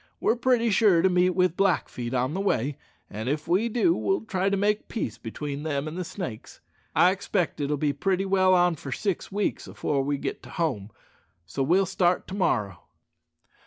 We're pretty sure to meet with Blackfeet on the way, and if we do we'll try to make peace between them an' the Snakes. I 'xpect it'll be pretty well on for six weeks afore we git to home, so we'll start to morrow."